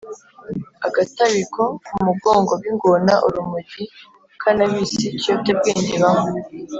agatabiko ku mugongo w’ingona: urumogi, kanabisi, ikiyobyabwenge banywa